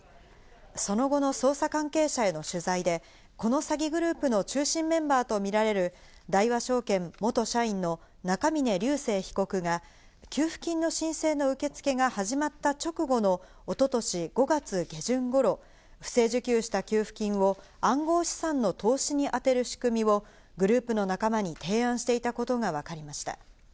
その後の捜査関係者への取材で、この詐欺グループの中心メンバーとみられる大和証券元社員の中峯竜晟被告が給付金の申請の受け付けが始まった直後の一昨年５月下旬頃、不正受給した給付金を暗号資産の投資にあてる仕組みをグループの仲間に提案していたことがわかりました。